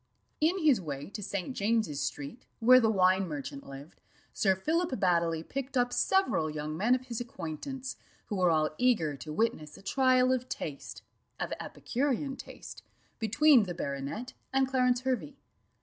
In his way to St. James's street, where the wine merchant lived, Sir Philip Baddely picked up several young men of his acquaintance, who were all eager to witness a trial of taste, of epicurean taste, between the baronet and Clarence Hervey.